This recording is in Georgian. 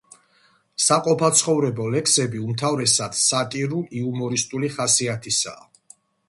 საყოფაცხოვრებო ლექსები უმთავრესად სატირულ-იუმორისტული ხასიათისაა.